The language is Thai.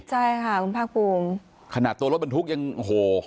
ใช่ค่ะคุณภาคภูมิขนาดตัวรถบรรทุกยังโอ้โห